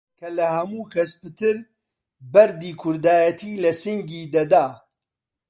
کە لە هەموو کەس پتر بەردی کوردایەتی لە سینگی دەدا!